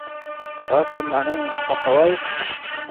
تاسو مڼې خوښوئ؟